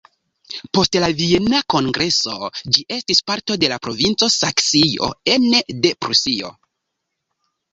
Post la Viena kongreso ĝi estis parto de la Provinco Saksio ene de Prusio.